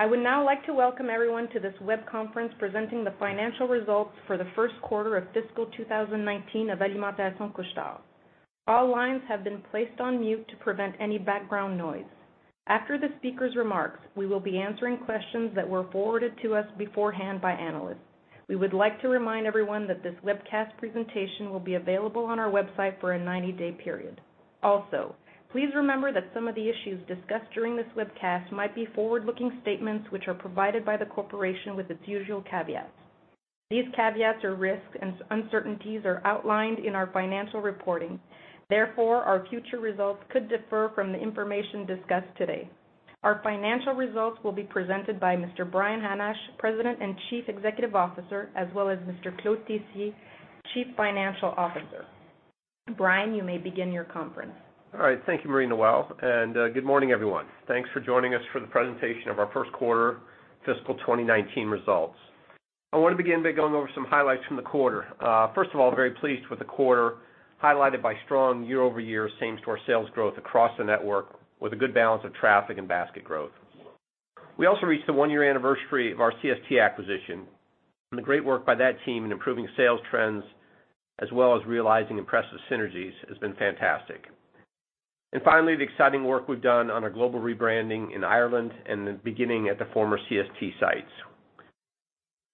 I would now like to welcome everyone to this web conference presenting the financial results for the first quarter of fiscal 2019 of Alimentation Couche-Tard. All lines have been placed on mute to prevent any background noise. After the speaker's remarks, we will be answering questions that were forwarded to us beforehand by analysts. We would like to remind everyone that this webcast presentation will be available on our website for a 90-day period. Please remember that some of the issues discussed during this webcast might be forward-looking statements, which are provided by the Corporation with its usual caveats. These caveats or risks and uncertainties are outlined in our financial reporting. Our future results could differ from the information discussed today. Our financial results will be presented by Mr. Brian Hannasch, President and Chief Executive Officer, as well as Mr. Claude Tessier, Chief Financial Officer. Brian, you may begin your conference. All right. Thank you, Marie-Noelle, and good morning, everyone. Thanks for joining us for the presentation of our first quarter fiscal 2019 results. I want to begin by going over some highlights from the quarter. Very pleased with the quarter, highlighted by strong year-over-year same store sales growth across the network with a good balance of traffic and basket growth. We also reached the one-year anniversary of our CST acquisition, and the great work by that team in improving sales trends, as well as realizing impressive synergies, has been fantastic. Finally, the exciting work we've done on our global rebranding in Ireland and beginning at the former CST sites.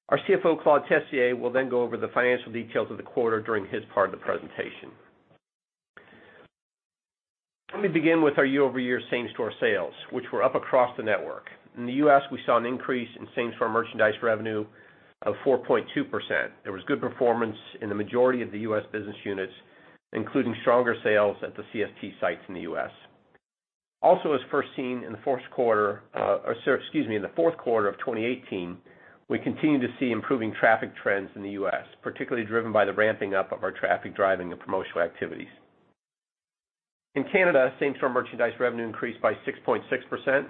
Our CFO, Claude Tessier, will then go over the financial details of the quarter during his part of the presentation. Let me begin with our year-over-year same store sales, which were up across the network. In the U.S., we saw an increase in same store merchandise revenue of 4.2%. There was good performance in the majority of the U.S. business units, including stronger sales at the CST sites in the U.S. As first seen in the fourth quarter of 2018, we continue to see improving traffic trends in the U.S., particularly driven by the ramping up of our traffic driving and promotional activities. In Canada, same store merchandise revenue increased by 6.6%,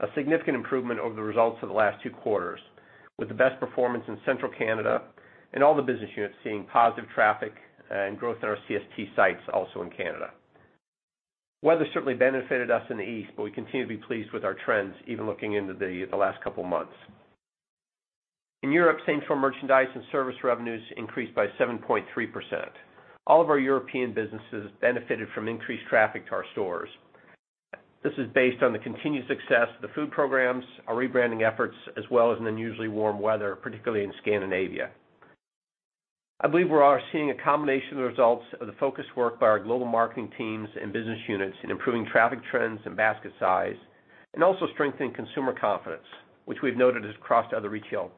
a significant improvement over the results of the last two quarters, with the best performance in Central Canada and all the business units seeing positive traffic and growth in our CST sites also in Canada. Weather certainly benefited us in the East, but we continue to be pleased with our trends, even looking into the last couple of months. In Europe, same store merchandise and service revenues increased by 7.3%. All of our European businesses benefited from increased traffic to our stores. This is based on the continued success of the food programs, our rebranding efforts, as well as an unusually warm weather, particularly in Scandinavia. I believe we are seeing a combination of results of the focused work by our global marketing teams and business units in improving traffic trends and basket size, and also strengthening consumer confidence, which we've noted has crossed other retail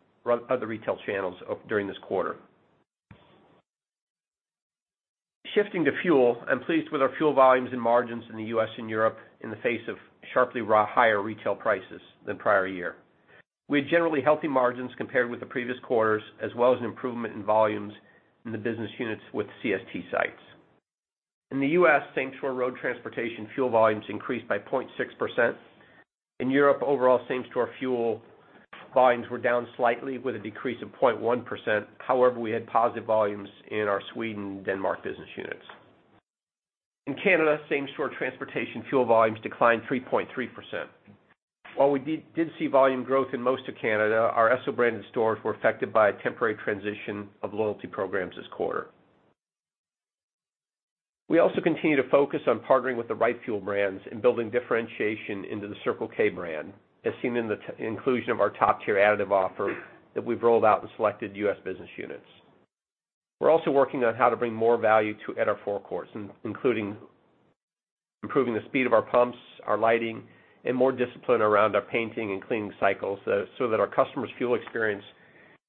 channels during this quarter. Shifting to fuel, I'm pleased with our fuel volumes and margins in the U.S. and Europe in the face of sharply higher retail prices than prior year. We had generally healthy margins compared with the previous quarters, as well as an improvement in volumes in the business units with CST sites. In the U.S., same store road transportation fuel volumes increased by 0.6%. In Europe, overall same store fuel volumes were down slightly with a decrease of 0.1%. However, we had positive volumes in our Sweden, Denmark business units. In Canada, same store transportation fuel volumes declined 3.3%. While we did see volume growth in most of Canada, our Esso branded stores were affected by a temporary transition of loyalty programs this quarter. We also continue to focus on partnering with the right fuel brands and building differentiation into the Circle K brand, as seen in the inclusion of our top-tier additive offer that we've rolled out in selected U.S. business units. We're also working on how to bring more value at our forecourts, including improving the speed of our pumps, our lighting, and more discipline around our painting and cleaning cycles so that our customers' fuel experience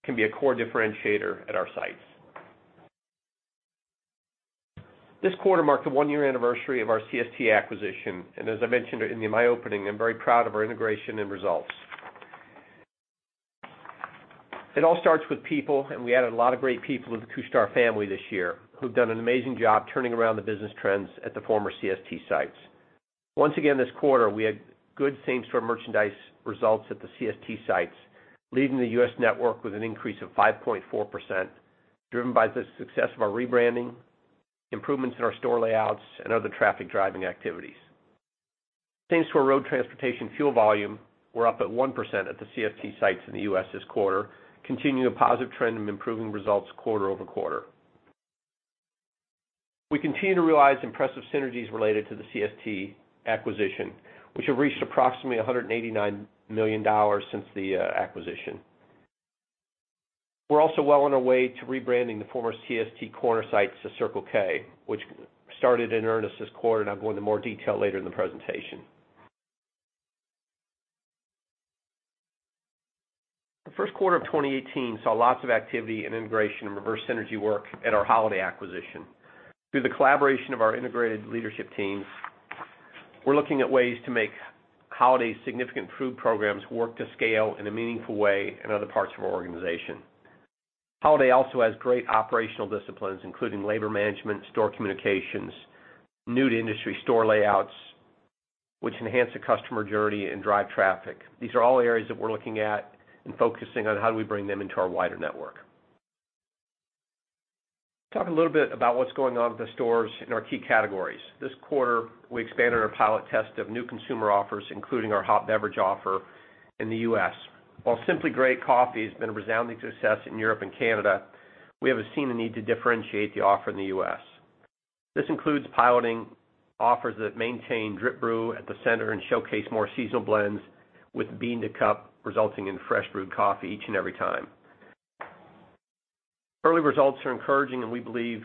can be a core differentiator at our sites. This quarter marked the one-year anniversary of our CST acquisition, and as I mentioned in my opening, I'm very proud of our integration and results. It all starts with people, and we added a lot of great people to the Couche-Tard family this year who've done an amazing job turning around the business trends at the former CST sites. Once again, this quarter, we had good same store merchandise results at the CST sites, leading the U.S. network with an increase of 5.4%, driven by the success of our rebranding, improvements in our store layouts, and other traffic-driving activities. Same store road transportation fuel volume were up at 1% at the CST sites in the U.S. this quarter, continuing a positive trend and improving results quarter over quarter. We continue to realize impressive synergies related to the CST acquisition, which have reached approximately $189 million since the acquisition. We're also well on our way to rebranding the former CST Corner sites to Circle K, which started in earnest this quarter, and I'll go into more detail later in the presentation. The first quarter of 2018 saw lots of activity and integration and reverse synergy work at our Holiday acquisition. Through the collaboration of our integrated leadership teams, we're looking at ways to make Holiday's significant food programs work to scale in a meaningful way in other parts of our organization. Holiday also has great operational disciplines, including labor management, store communications, new to industry store layouts, which enhance the customer journey and drive traffic. These are all areas that we're looking at and focusing on how do we bring them into our wider network. Talk a little bit about what's going on with the stores in our key categories. This quarter, we expanded our pilot test of new consumer offers, including our hot beverage offer in the U.S. While Simply Great Coffee has been a resounding success in Europe and Canada, we haven't seen a need to differentiate the offer in the U.S. This includes piloting offers that maintain drip brew at the center and showcase more seasonal blends with bean to cup, resulting in fresh brewed coffee each and every time. Early results are encouraging, we believe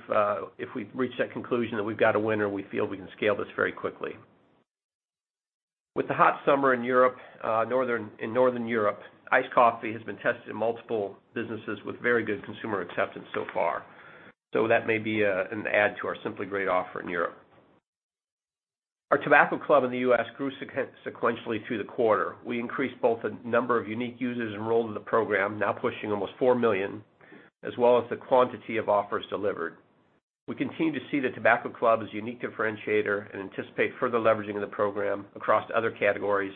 if we've reached that conclusion, we've got a winner and we feel we can scale this very quickly. With the hot summer in Europe, in Northern Europe, iced coffee has been tested in multiple businesses with very good consumer acceptance so far. That may be an add to our Simply Great offer in Europe. Our Tobacco Club in the U.S. grew sequentially through the quarter. We increased both the number of unique users enrolled in the program, now pushing almost 4 million, as well as the quantity of offers delivered. We continue to see the Tobacco Club as a unique differentiator and anticipate further leveraging of the program across other categories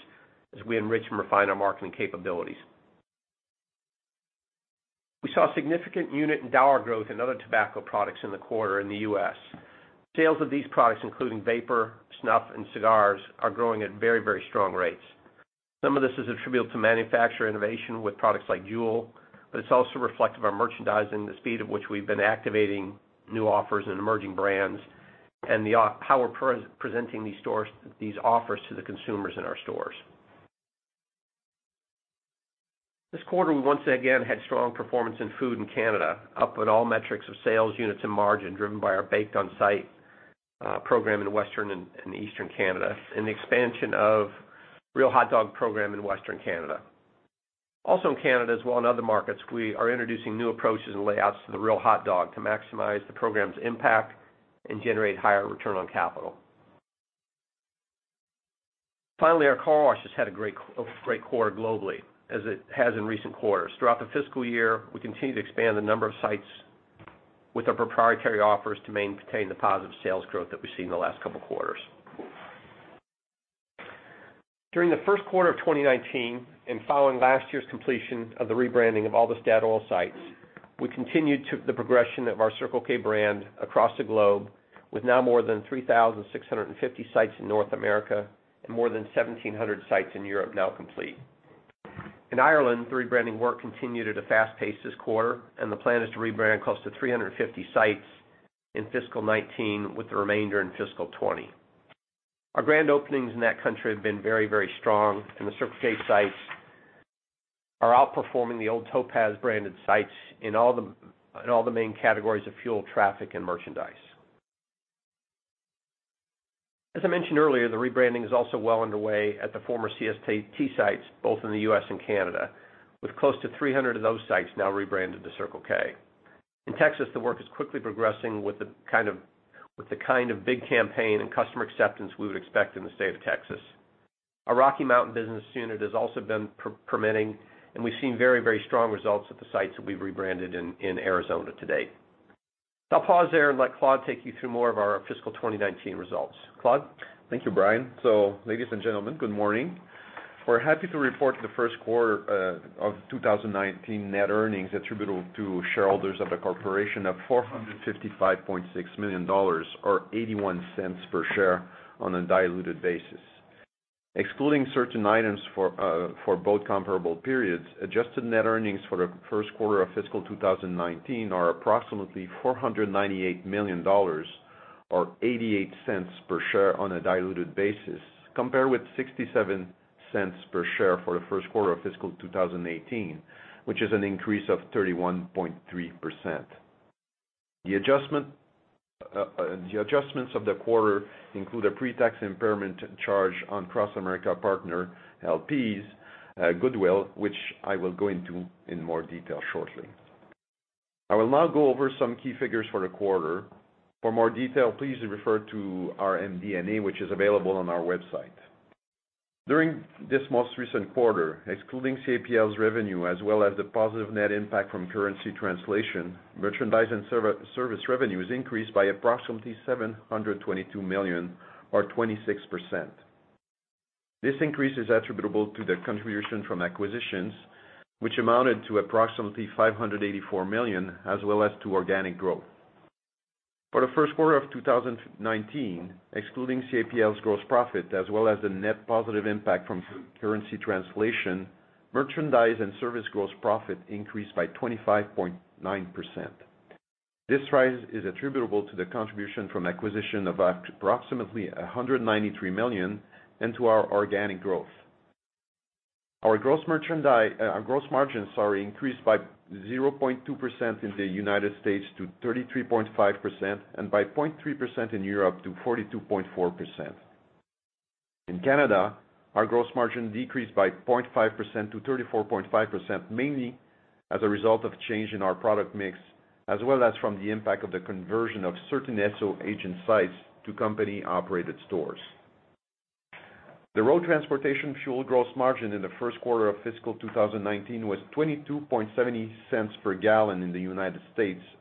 as we enrich and refine our marketing capabilities. We saw significant unit and dollar growth in other tobacco products in the quarter in the U.S. Sales of these products, including vapor, snuff, and cigars, are growing at very strong rates. Some of this is attributable to manufacturer innovation with products like Juul, it's also reflective of our merchandising, the speed at which we've been activating new offers and emerging brands, and how we're presenting these offers to the consumers in our stores. This quarter, we once again had strong performance in food in Canada, up with all metrics of sales units and margin driven by our Baked On Site program in Western and Eastern Canada, the expansion of Real Hot Dog program in Western Canada. Also in Canada, as well in other markets, we are introducing new approaches and layouts to the Real Hot Dog to maximize the program's impact and generate higher return on capital. Finally, our car wash has had a great quarter globally as it has in recent quarters. Throughout the fiscal year, we continue to expand the number of sites with our proprietary offers to maintain the positive sales growth that we've seen in the last couple of quarters. During the first quarter of 2019, following last year's completion of the rebranding of all the Statoil sites, we continued the progression of our Circle K brand across the globe, with now more than 3,650 sites in North America and more than 1,700 sites in Europe now complete. In Ireland, the rebranding work continued at a fast pace this quarter, the plan is to rebrand close to 350 sites in fiscal 2019, with the remainder in fiscal 2020. Our grand openings in that country have been very strong, the Circle K sites are outperforming the old Topaz branded sites in all the main categories of fuel, traffic, and merchandise. As I mentioned earlier, the rebranding is also well underway at the former CST sites, both in the U.S. and Canada, with close to 300 of those sites now rebranded to Circle K. In Texas, the work is quickly progressing with the kind of big campaign and customer acceptance we would expect in the state of Texas. Our Rocky Mountain business unit has also been permitting, and we've seen very strong results at the sites that we've rebranded in Arizona to date. I'll pause there and let Claude take you through more of our fiscal 2019 results. Claude? Thank you, Brian. Ladies and gentlemen, good morning. We're happy to report the first quarter of 2019 net earnings attributable to shareholders of the corporation of 455.6 million dollars, or 0.81 per share on a diluted basis. Excluding certain items for both comparable periods, adjusted net earnings for the first quarter of fiscal 2019 are approximately 498 million dollars, or 0.88 per share on a diluted basis, compared with 0.67 per share for the first quarter of fiscal 2018, which is an increase of 31.3%. The adjustments of the quarter include a pre-tax impairment charge on CrossAmerica Partners LP's goodwill, which I will go into in more detail shortly. I will now go over some key figures for the quarter. For more detail, please refer to our MD&A, which is available on our website. During this most recent quarter, excluding CAPL's revenue as well as the positive net impact from currency translation, merchandise and service revenues increased by approximately 722 million, or 26%. This increase is attributable to the contribution from acquisitions, which amounted to approximately 584 million, as well as to organic growth. For the first quarter of 2019, excluding CAPL's gross profit, as well as the net positive impact from currency translation, merchandise and service gross profit increased by 25.9%. This rise is attributable to the contribution from acquisition of approximately 193 million and to our organic growth. Our gross margin increased by 0.2% in the U.S. to 33.5%, and by 0.3% in Europe to 42.4%. In Canada, our gross margin decreased by 0.5% to 34.5%, mainly as a result of change in our product mix, as well as from the impact of the conversion of certain Esso agent sites to company-operated stores. The road transportation fuel gross margin in the first quarter of fiscal 2019 was $0.2270 per gallon in the U.S.,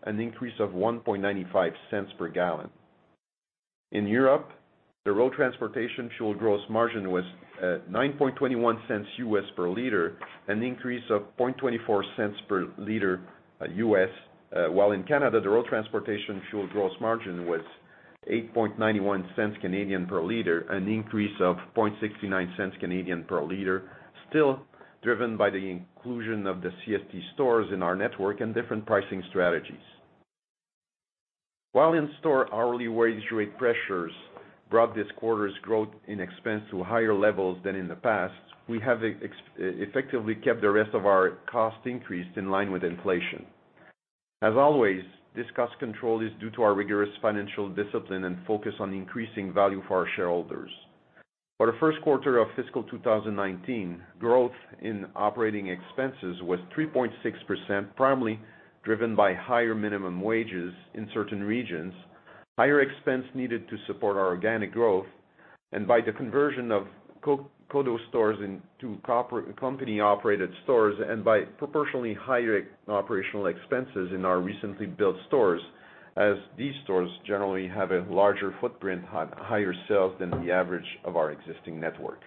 an increase of $0.0195 per gallon. In Europe, the road transportation fuel gross margin was at $0.0921 per liter, an increase of $0.0024 per liter. While in Canada, the road transportation fuel gross margin was 0.0891 per liter, an increase of 0.0069 per liter, still driven by the inclusion of the CST stores in our network and different pricing strategies. While in store, hourly wage rate pressures brought this quarter's growth in expense to higher levels than in the past, we have effectively kept the rest of our cost increase in line with inflation. As always, this cost control is due to our rigorous financial discipline and focus on increasing value for our shareholders. For the first quarter of fiscal 2019, growth in operating expenses was 3.6%, primarily driven by higher minimum wages in certain regions, higher expense needed to support our organic growth, and by the conversion of CODO stores into company-operated stores, and by proportionally higher operational expenses in our recently built stores, as these stores generally have a larger footprint, higher sales than the average of our existing network.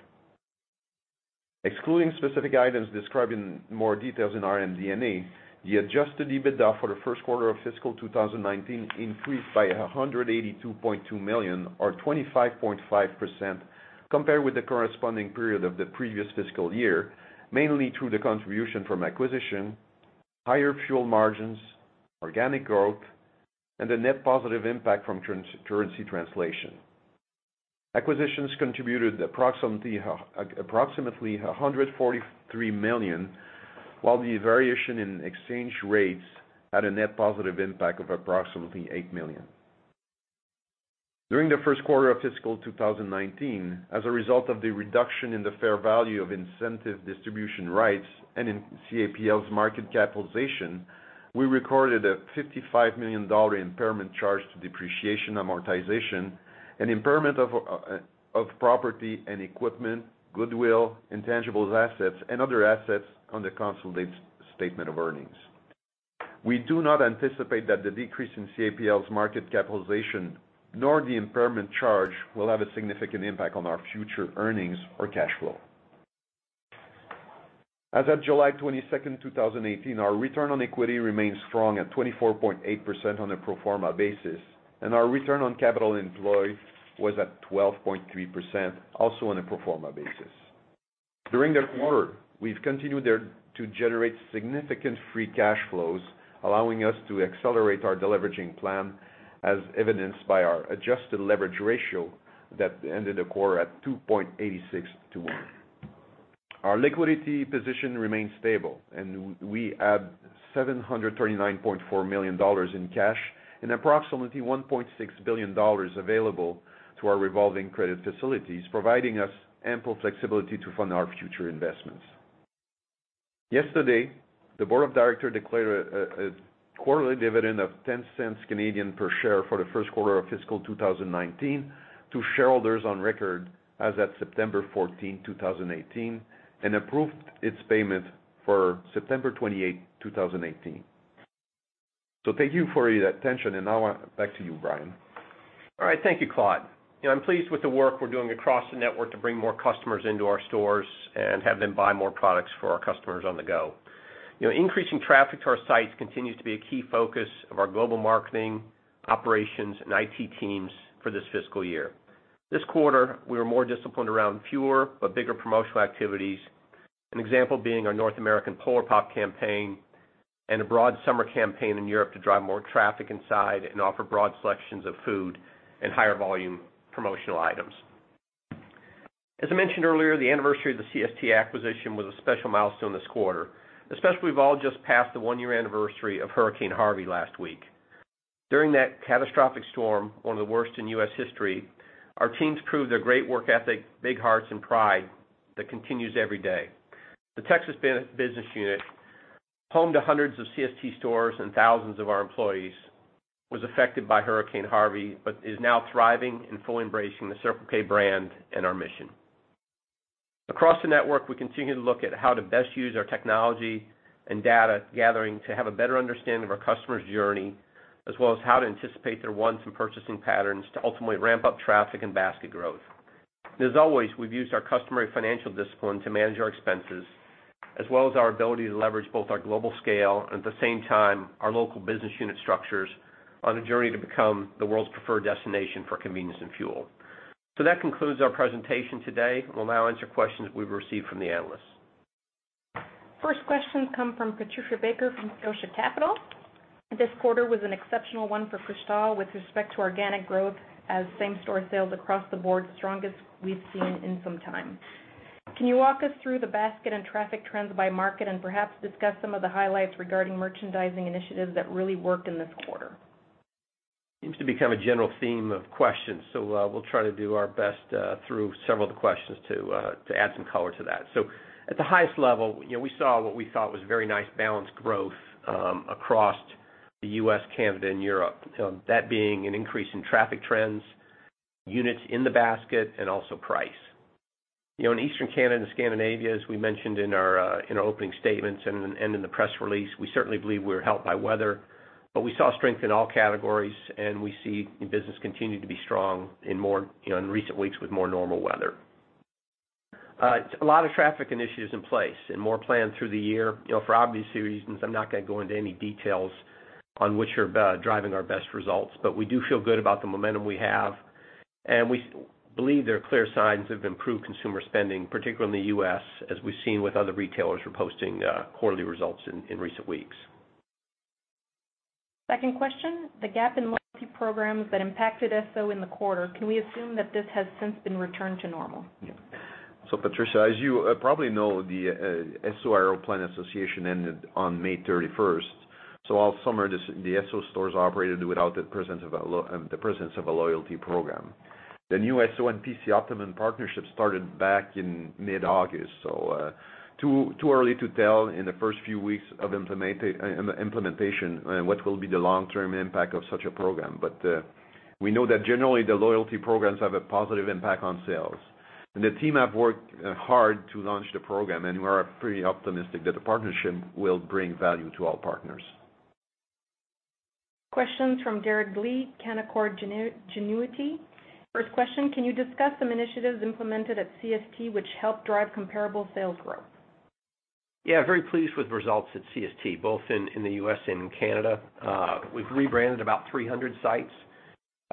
Excluding specific items described in more details in our MD&A, the adjusted EBITDA for the first quarter of fiscal 2019 increased by 182.2 million, or 25.5%, compared with the corresponding period of the previous fiscal year, mainly through the contribution from acquisition, higher fuel margins, organic growth, and the net positive impact from currency translation. Acquisitions contributed approximately 143 million, while the variation in exchange rates had a net positive impact of approximately 8 million. During the first quarter of fiscal 2019, as a result of the reduction in the fair value of incentive distribution rights and in CAPL's market capitalization, we recorded a 55 million dollar impairment charge to depreciation, amortization, an impairment of property and equipment, goodwill, intangible assets, and other assets on the consolidated statement of earnings. We do not anticipate that the decrease in CAPL's market capitalization, nor the impairment charge, will have a significant impact on our future earnings or cash flow. As of July 22nd, 2018, our return on equity remains strong at 24.8% on a pro forma basis, and our return on capital employed was at 12.3%, also on a pro forma basis. During the quarter, we've continued to generate significant free cash flows, allowing us to accelerate our deleveraging plan, as evidenced by our adjusted leverage ratio that ended the quarter at 2.86 to 1. Our liquidity position remains stable, and we add 739.4 million dollars in cash and approximately 1.6 billion dollars available to our revolving credit facilities, providing us ample flexibility to fund our future investments. Yesterday, the board of director declared a quarterly dividend of 0.10 per share for the first quarter of fiscal 2019 to shareholders on record as of September 14, 2018, and approved its payment for September 28, 2018. Thank you for your attention, and now back to you, Brian. All right. Thank you, Claude. I'm pleased with the work we're doing across the network to bring more customers into our stores and have them buy more products for our customers on the go. Increasing traffic to our sites continues to be a key focus of our global marketing operations and IT teams for this fiscal year. This quarter, we were more disciplined around fewer but bigger promotional activities, an example being our North American Polar Pop campaign and a broad summer campaign in Europe to drive more traffic inside and offer broad selections of food and higher volume promotional items. As I mentioned earlier, the anniversary of the CST acquisition was a special milestone this quarter, especially as we've all just passed the one-year anniversary of Hurricane Harvey last week. During that catastrophic storm, one of the worst in U.S. history, our teams proved their great work ethic, big hearts, and pride that continues every day. The Texas business unit, home to hundreds of CST stores and thousands of our employees, was affected by Hurricane Harvey, but is now thriving and fully embracing the Circle K brand and our mission. Across the network, we continue to look at how to best use our technology and data gathering to have a better understanding of our customer's journey, as well as how to anticipate their wants and purchasing patterns to ultimately ramp up traffic and basket growth. As always, we've used our customary financial discipline to manage our expenses, as well as our ability to leverage both our global scale and at the same time, our local business unit structures, on a journey to become the world's preferred destination for convenience and fuel. That concludes our presentation today. We'll now answer questions we've received from the analysts. First question come from Patricia Baker from Scotia Capital. "This quarter was an exceptional one for Couche-Tard with respect to organic growth as same store sales across the board, strongest we've seen in some time. Can you walk us through the basket and traffic trends by market and perhaps discuss some of the highlights regarding merchandising initiatives that really worked in this quarter? Seems to become a general theme of questions, we'll try to do our best through several of the questions to add some color to that. At the highest level, we saw what we thought was very nice balanced growth across the U.S., Canada, and Europe. That being an increase in traffic trends, units in the basket, and also price. In Eastern Canada and Scandinavia, as we mentioned in our opening statements and in the press release, we certainly believe we were helped by weather. We saw strength in all categories, and we see the business continue to be strong in recent weeks with more normal weather. A lot of traffic initiatives in place and more planned through the year. For obvious reasons, I'm not going to go into any details on which are driving our best results, we do feel good about the momentum we have, and we believe there are clear signs of improved consumer spending, particularly in the U.S., as we've seen with other retailers who are posting quarterly results in recent weeks. Second question, the gap in loyalty programs that impacted Esso in the quarter, can we assume that this has since been returned to normal? Patricia, as you probably know, the Esso Aeroplan Association ended on May 31st. All summer, the Esso stores operated without the presence of a loyalty program. The new Esso and PC Optimum partnership started back in mid-August, too early to tell in the first few weeks of implementation what will be the long-term impact of such a program. We know that generally, the loyalty programs have a positive impact on sales. The team have worked hard to launch the program, and we are pretty optimistic that the partnership will bring value to all partners. Questions from Derek Dley, Canaccord Genuity. First question, can you discuss some initiatives implemented at CST which helped drive comparable sales growth? Yeah. Very pleased with results at CST, both in the U.S. and Canada. We've rebranded about 300 sites.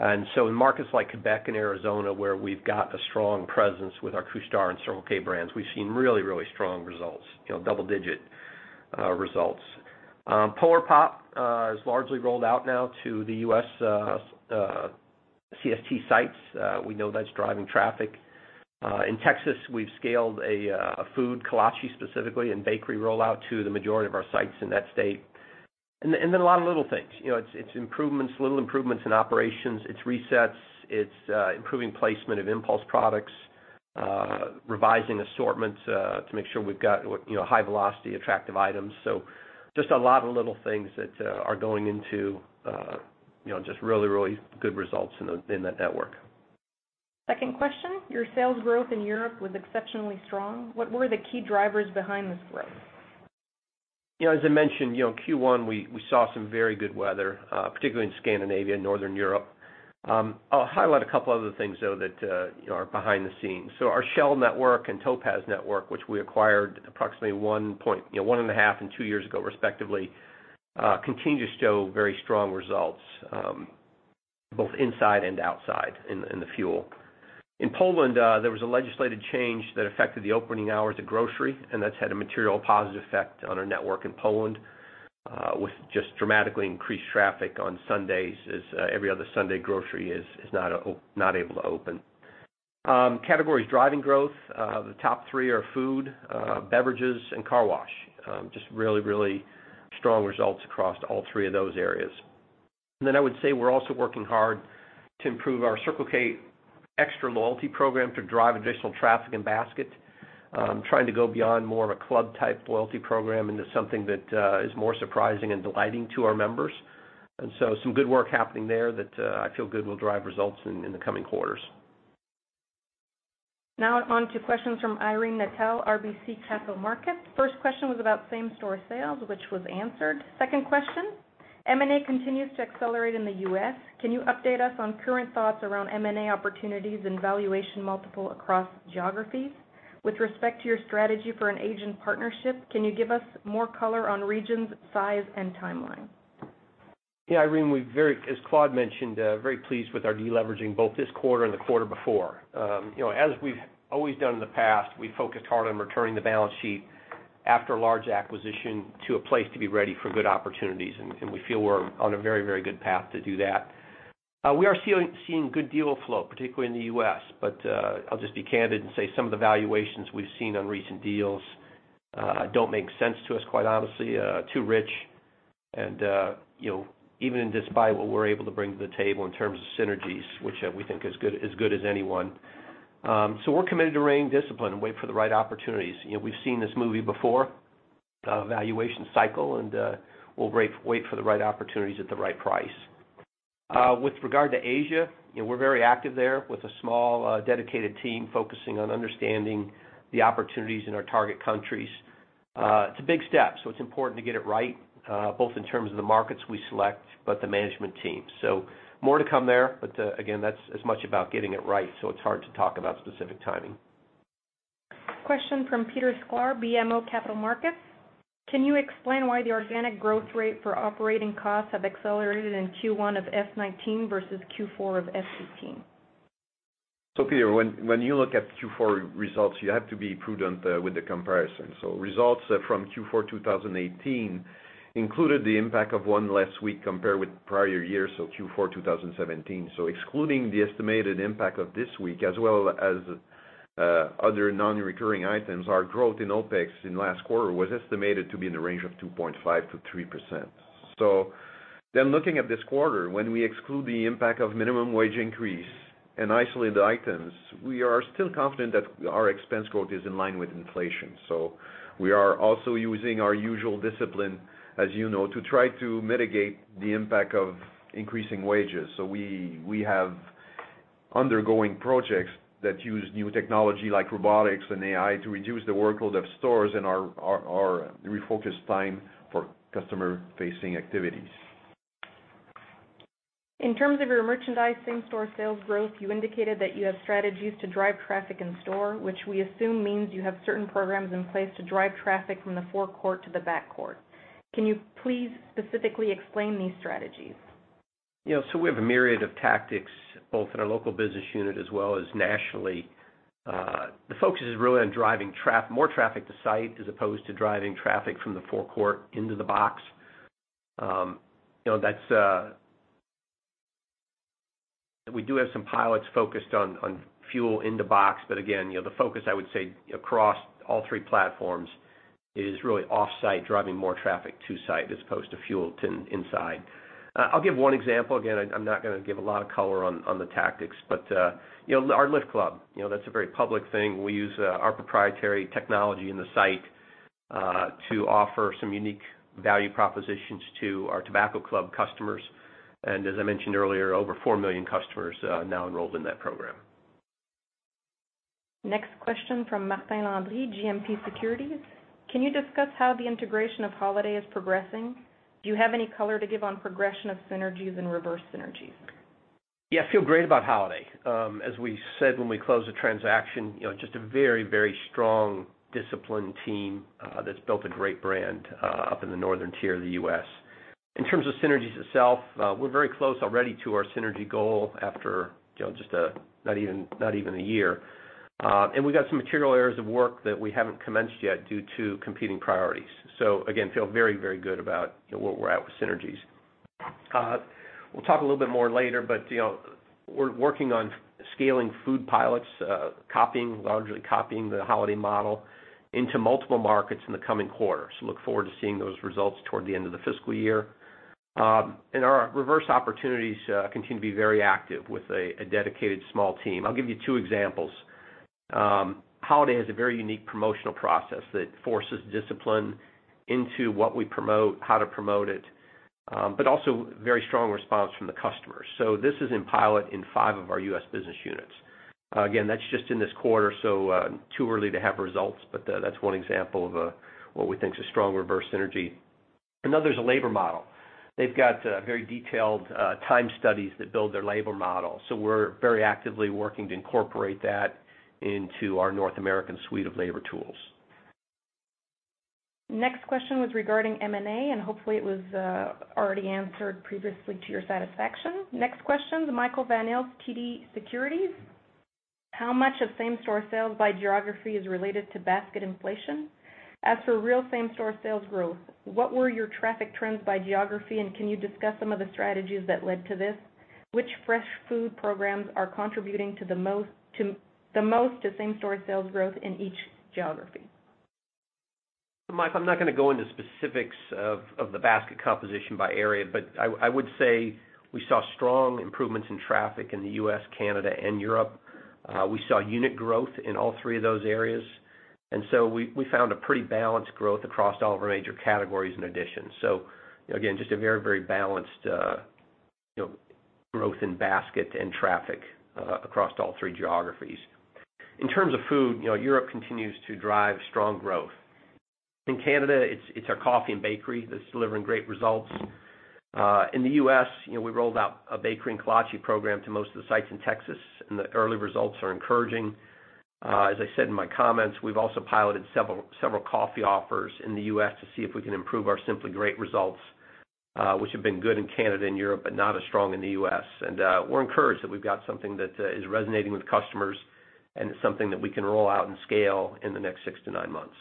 In markets like Quebec and Arizona, where we've got a strong presence with our Couche-Tard and Circle K brands, we've seen really, really strong results, double-digit results. Polar Pop is largely rolled out now to the U.S. CST sites. We know that's driving traffic. In Texas, we've scaled a food, kolache specifically, and bakery rollout to the majority of our sites in that state. A lot of little things. It's little improvements in operations, it's resets, it's improving placement of impulse products, revising assortments to make sure we've got high velocity, attractive items. Just a lot of little things that are going into just really, really good results in that network. Second question, your sales growth in Europe was exceptionally strong. What were the key drivers behind this growth? As I mentioned, Q1, we saw some very good weather, particularly in Scandinavia and Northern Europe. I'll highlight a couple other things, though, that are behind the scenes. Our Shell network and Topaz network, which we acquired approximately one and a half and two years ago, respectively, continue to show very strong results both inside and outside in the fuel. In Poland, there was a legislative change that affected the opening hours of grocery, that's had a material positive effect on our network in Poland, with just dramatically increased traffic on Sundays as every other Sunday, grocery is not able to open. Categories driving growth, the top three are food, beverages, and car wash. Just really, really strong results across all three of those areas. I would say we're also working hard to improve our Circle K Extra loyalty program to drive additional traffic and basket, trying to go beyond more of a club-type loyalty program into something that is more surprising and delighting to our members. Some good work happening there that I feel good will drive results in the coming quarters. Now on to questions from Irene Nattel, RBC Capital Markets. First question was about same-store sales, which was answered. Second question, M&A continues to accelerate in the U.S. Can you update us on current thoughts around M&A opportunities and valuation multiple across geographies? With respect to your strategy for an Asian partnership, can you give us more color on regions, size, and timeline? Yeah, Irene, as Claude mentioned, very pleased with our deleveraging both this quarter and the quarter before. As we've always done in the past, we focused hard on returning the balance sheet after a large acquisition to a place to be ready for good opportunities, and we feel we're on a very, very good path to do that. We are seeing good deal flow, particularly in the U.S., but I'll just be candid and say some of the valuations we've seen on recent deals don't make sense to us, quite honestly, too rich. Even in despite what we're able to bring to the table in terms of synergies, which we think is good as anyone. We're committed to reining discipline and wait for the right opportunities. We've seen this movie before, valuation cycle, and we'll wait for the right opportunities at the right price. With regard to Asia, we're very active there with a small, dedicated team focusing on understanding the opportunities in our target countries. It's a big step, it's important to get it right, both in terms of the markets we select, but the management team. More to come there, but again, that's as much about getting it right, it's hard to talk about specific timing. Question from Peter Sklar, BMO Capital Markets. Can you explain why the organic growth rate for operating costs have accelerated in Q1 of FY 2019 versus Q4 of FY 2018? Peter, when you look at Q4 results, you have to be prudent with the comparison. Results from Q4 2018 included the impact of one less week compared with prior year, Q4 2017. Excluding the estimated impact of this week as well as other non-recurring items, our growth in OpEx in last quarter was estimated to be in the range of 2.5%-3%. Looking at this quarter, when we exclude the impact of minimum wage increase and isolated items, we are still confident that our expense growth is in line with inflation. We are also using our usual discipline, as you know, to try to mitigate the impact of increasing wages. We have undergoing projects that use new technology like robotics and AI to reduce the workload of stores and are refocused time for customer-facing activities. In terms of your merchandising store sales growth, you indicated that you have strategies to drive traffic in store, which we assume means you have certain programs in place to drive traffic from the forecourt to the back court. Can you please specifically explain these strategies? Yes. We have a myriad of tactics both in our local business unit as well as nationally. The focus is really on driving more traffic to site as opposed to driving traffic from the forecourt into the box. We do have some pilots focused on fuel in the box, but again, the focus I would say, across all three platforms is really off-site, driving more traffic to site as opposed to fuel to inside. I'll give one example. Again, I'm not going to give a lot of color on the tactics, but our LIFT Club, that's a very public thing. We use our proprietary technology in the site to offer some unique value propositions to our Tobacco Club customers, and as I mentioned earlier, over 4 million customers are now enrolled in that program. Next question from Martin Landry, GMP Securities. Can you discuss how the integration of Holiday is progressing? Do you have any color to give on progression of synergies and reverse synergies? Yeah, I feel great about Holiday. As we said, when we closed the transaction, just a very strong disciplined team that's built a great brand up in the northern tier of the U.S. In terms of synergies itself, we're very close already to our synergy goal after not even a year. We got some material areas of work that we haven't commenced yet due to competing priorities. Again, feel very good about where we're at with synergies. We'll talk a little bit more later, but we're working on scaling food pilots, largely copying the Holiday model into multiple markets in the coming quarters. Look forward to seeing those results toward the end of the fiscal year. Our reverse opportunities continue to be very active with a dedicated small team. I'll give you two examples. Holiday has a very unique promotional process that forces discipline into what we promote, how to promote it, but also very strong response from the customers. This is in pilot in five of our U.S. business units. Again, that's just in this quarter, too early to have results, but that's one example of what we think is a strong reverse synergy. Another is a labor model. They've got very detailed time studies that build their labor model. We're very actively working to incorporate that into our North American suite of labor tools. Next question was regarding M&A. Hopefully it was already answered previously to your satisfaction. Next question, Michael Van Aelst, TD Securities. How much of same-store sales by geography is related to basket inflation? As for real same-store sales growth, what were your traffic trends by geography, and can you discuss some of the strategies that led to this? Which fresh food programs are contributing the most to same-store sales growth in each geography? Mike, I'm not going to go into specifics of the basket composition by area, but I would say we saw strong improvements in traffic in the U.S., Canada, and Europe. We saw unit growth in all three of those areas, we found a pretty balanced growth across all of our major categories in addition. Again, just a very balanced growth in basket and traffic across all three geographies. In terms of food, Europe continues to drive strong growth. In Canada, it's our coffee and bakery that's delivering great results. In the U.S., we rolled out a bakery and kolache program to most of the sites in Texas, the early results are encouraging. As I said in my comments, we've also piloted several coffee offers in the U.S. to see if we can improve our Simply Great results, which have been good in Canada and Europe, but not as strong in the U.S. We're encouraged that we've got something that is resonating with customers and is something that we can roll out and scale in the next six to nine months.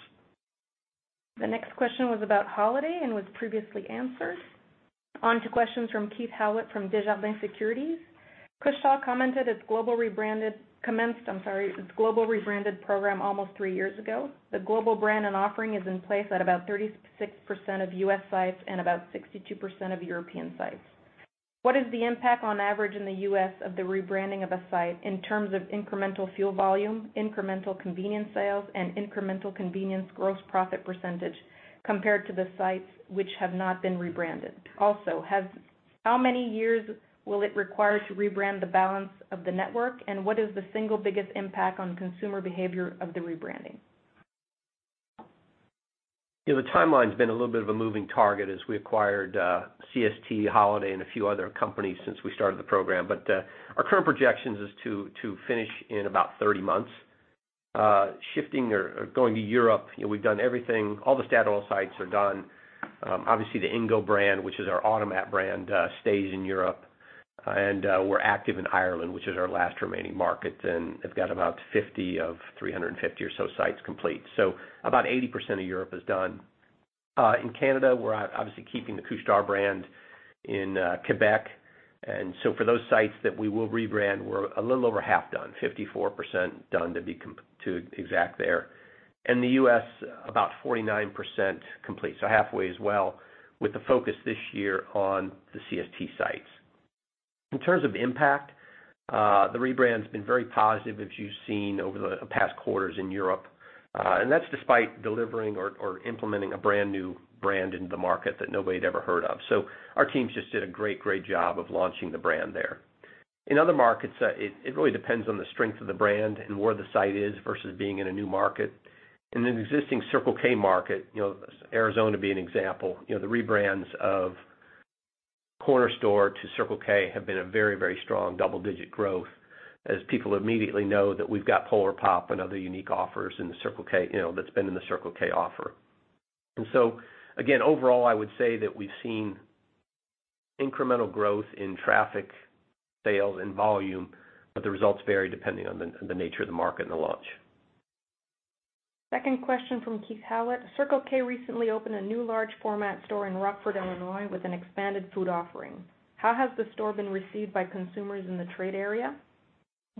The next question was about Holiday and was previously answered. On to questions from Keith Howlett from Desjardins Securities. Couche-Tard commented its global rebranded commenced, I'm sorry, its global rebranded program almost three years ago. The global brand and offering is in place at about 36% of U.S. sites and about 62% of European sites. What is the impact on average in the U.S. of the rebranding of a site in terms of incremental fuel volume, incremental convenience sales, and incremental convenience gross profit % compared to the sites which have not been rebranded? Also, how many years will it require to rebrand the balance of the network, what is the single biggest impact on consumer behavior of the rebranding? The timeline's been a little bit of a moving target as we acquired CST, Holiday, and a few other companies since we started the program. Our current projections is to finish in about 30 months. Shifting or going to Europe, we've done everything. All the Statoil sites are done. Obviously, the Ingo brand, which is our automat brand, stays in Europe. We're active in Ireland, which is our last remaining market, and have got about 50 of 350 or so sites complete. About 80% of Europe is done. In Canada, we're obviously keeping the Couche-Tard brand in Quebec. For those sites that we will rebrand, we're a little over half done, 54% done to exact there. In the U.S., about 49% complete. Halfway as well with the focus this year on the CST sites. In terms of impact, the rebrand's been very positive as you've seen over the past quarters in Europe. That's despite delivering or implementing a brand-new brand into the market that nobody had ever heard of. Our teams just did a great job of launching the brand there. In other markets, it really depends on the strength of the brand and where the site is versus being in a new market. In an existing Circle K market, Arizona being an example, the rebrands of Corner Store to Circle K have been a very strong double-digit growth, as people immediately know that we've got Polar Pop and other unique offers that's been in the Circle K offer. Again, overall, I would say that we've seen incremental growth in traffic, sales, and volume, but the results vary depending on the nature of the market and the launch. Second question from Keith Howlett. "Circle K recently opened a new large format store in Rockford, Illinois, with an expanded food offering. How has the store been received by consumers in the trade area?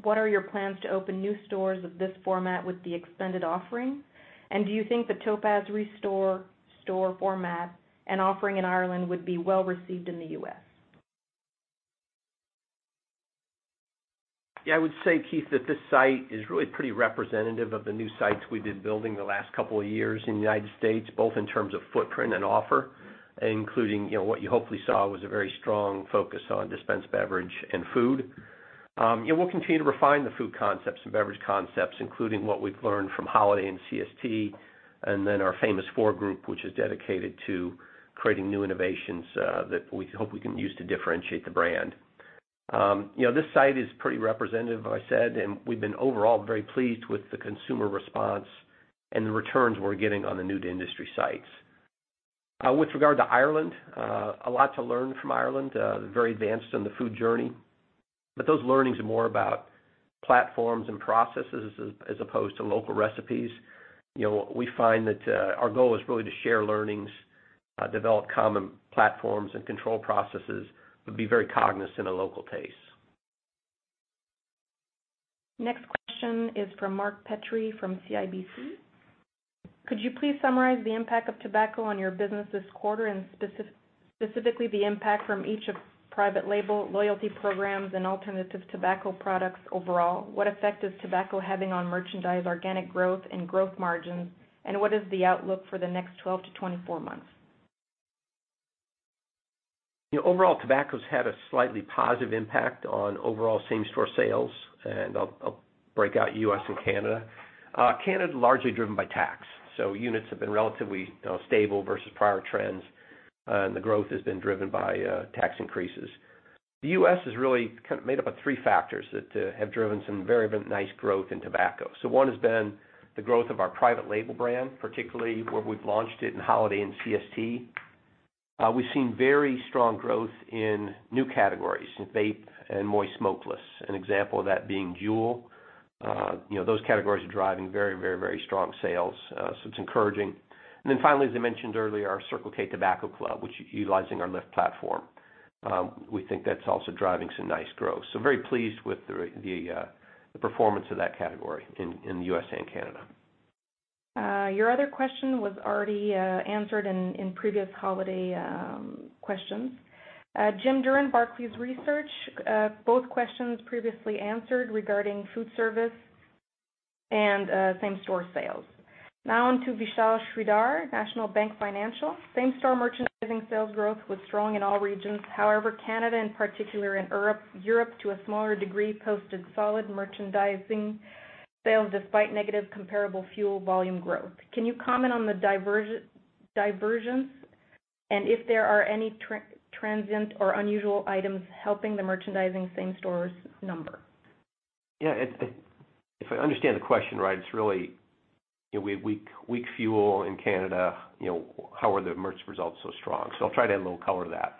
What are your plans to open new stores of this format with the extended offering? Do you think the Topaz Re.Store store format and offering in Ireland would be well received in the U.S.? I would say, Keith, that this site is really pretty representative of the new sites we have been building the last couple of years in the U.S., both in terms of footprint and offer, including what you hopefully saw was a very strong focus on dispensed beverage and food. We will continue to refine the food concepts and beverage concepts, including what we have learned from Holiday and CST, and then our Famous Four group, which is dedicated to creating new innovations that we hope we can use to differentiate the brand. This site is pretty representative, as I said, and we have been overall very pleased with the consumer response and the returns we are getting on the new-to-industry sites. With regard to Ireland, a lot to learn from Ireland. They are very advanced in the food journey, but those learnings are more about platforms and processes as opposed to local recipes. We find that our goal is really to share learnings, develop common platforms, and control processes, but be very cognizant of local tastes. Next question is from Mark Petrie from CIBC. "Could you please summarize the impact of tobacco on your business this quarter, and specifically the impact from each of private label loyalty programs and alternative tobacco products overall? What effect is tobacco having on merchandise organic growth and gross margins, and what is the outlook for the next 12 to 24 months? Overall, tobacco's had a slightly positive impact on overall same-store sales. I'll break out U.S. and Canada. Canada is largely driven by tax, units have been relatively stable versus prior trends, and the growth has been driven by tax increases. The U.S. is really made up of three factors that have driven some very nice growth in tobacco. One has been the growth of our private label brand, particularly where we've launched it in Holiday, CST. We've seen very strong growth in new categories, vape and moist smokeless, an example of that being Juul. Those categories are driving very strong sales, it's encouraging. Finally, as I mentioned earlier, our Circle K Tobacco Club, which utilizing our LIFT platform. We think that's also driving some nice growth. Very pleased with the performance of that category in the U.S. and Canada. Your other question was already answered in previous Holiday questions. Jim Durran, Barclays. Both questions previously answered regarding food service and same-store sales. On to Vishal Shreedhar, National Bank Financial. "Same-store merchandising sales growth was strong in all regions. Canada in particular, and Europe to a smaller degree, posted solid merchandising sales despite negative comparable fuel volume growth. Can you comment on the divergence? If there are any transient or unusual items helping the merchandising same-stores number? If I understand the question right, it's really weak fuel in Canada, how are the merch results so strong? I'll try to add a little color to that.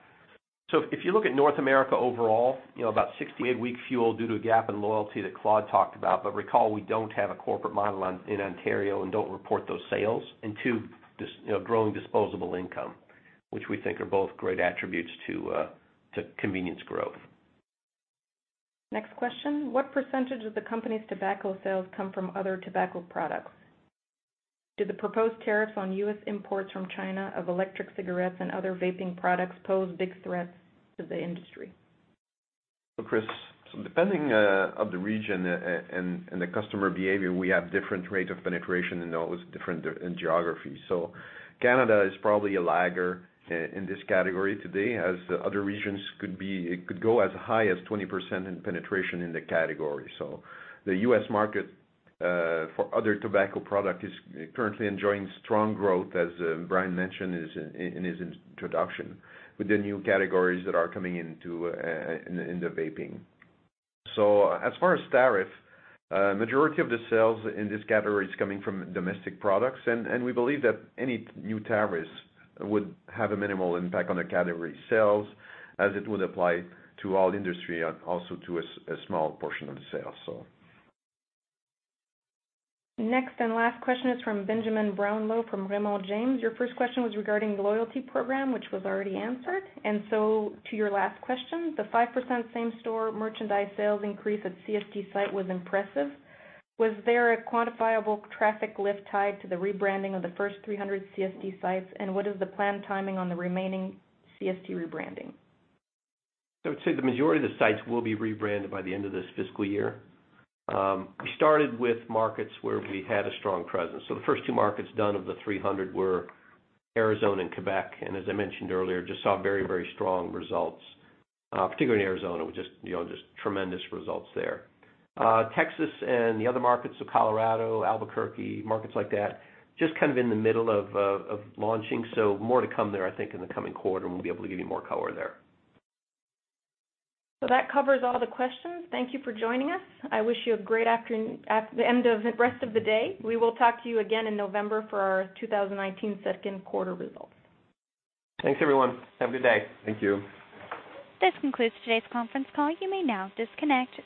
If you look at North America overall, about [weak fuel due to a gap in loyalty that Claude talked about, but recall, we don't have a corporate model in Ontario and don't report those sales. Two, just growing disposable income, which we think are both great attributes to convenience growth. Next question. "What % of the company's tobacco sales come from other tobacco products? Do the proposed tariffs on U.S. imports from China of electric cigarettes and other vaping products pose big threats to the industry? Chris, depending of the region and the customer behavior, we have different rate of penetration in all those different geographies. Canada is probably a lagger in this category today, as other regions could go as high as 20% in penetration in the category. The U.S. market for other tobacco product is currently enjoying strong growth, as Brian mentioned in his introduction, with the new categories that are coming into vaping. As far as tariff, majority of the sales in this category is coming from domestic products, and we believe that any new tariffs would have a minimal impact on the category sales as it would apply to all industry and also to a small portion of the sales. Next and last question is from Benjamin Brownlow from Raymond James. Your first question was regarding the loyalty program, which was already answered. To your last question, "The 5% same-store merchandise sales increase at CST site was impressive. Was there a quantifiable traffic lift tied to the rebranding of the first 300 CST sites, and what is the planned timing on the remaining CST rebranding? I would say the majority of the sites will be rebranded by the end of this fiscal year. We started with markets where we had a strong presence. The first two markets done of the 300 were Arizona and Quebec, and as I mentioned earlier, just saw very strong results, particularly in Arizona, with just tremendous results there. Texas and the other markets, so Colorado, Albuquerque, markets like that, just kind of in the middle of launching. More to come there, I think, in the coming quarter, and we'll be able to give you more color there. That covers all the questions. Thank you for joining us. I wish you a great end of the rest of the day. We will talk to you again in November for our 2019 second quarter results. Thanks, everyone. Have a good day. Thank you. This concludes today's conference call. You may now disconnect.